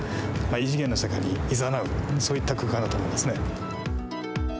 異次元の世界にいざなうそういった空間だと思いますね。